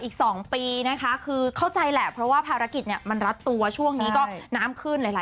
ก่อนใดก่อนจะจบค่ะ